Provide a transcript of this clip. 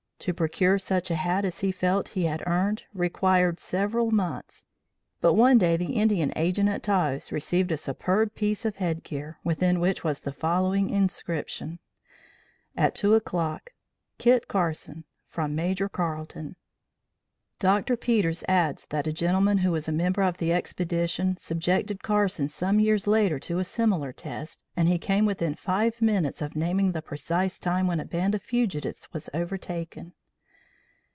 To procure such a hat as he felt he had earned, required several months; but one day the Indian Agent at Taos received a superb piece of head gear within which was the following inscription: AT 2 O'CLOCK. KIT CARSON, FROM MAJOR CARLETON. Dr. Peters adds that a gentleman who was a member of the expedition subjected Carson some years later to a similar test, and he came within five minutes of naming the precise time when a band of fugitives was overtaken.